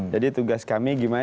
jadi tugas kami gimana